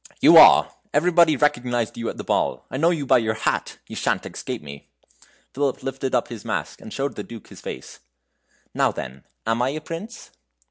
"You are! Everybody recognized you at the ball. I know you by your hat. You sha'n't escape me." Philip lifted up his mask, and showed the Duke his face. "Now, then, am I a prince?"